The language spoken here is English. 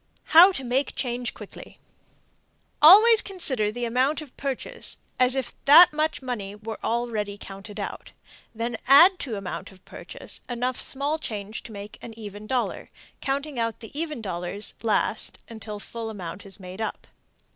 HOW TO MAKE CHANGE QUICKLY. Always consider the amount of purchase as if that much money were already counted out, then add to amount of purchase enough small change to make an even dollar, counting out the even dollars last until full amount is made up.